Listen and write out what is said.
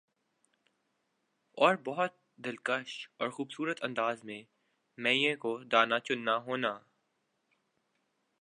اور بَہُت دلکش اورخوبصورت انداز میں مَیں یِہ کو دانہ چننا ہونا